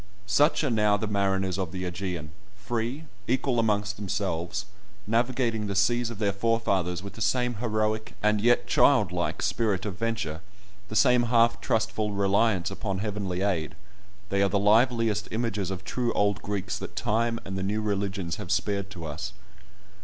Such are now the mariners of the Ægean: free, equal amongst themselves, navigating the seas of their forefathers with the same heroic, and yet child like, spirit of venture, the same half trustful reliance upon heavenly aid, they are the liveliest images of true old Greeks that time and the new religions have spared to us.